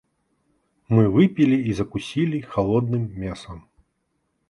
Мы выпили и закусили холодным мясом.